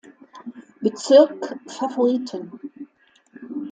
Bezirk Favoriten.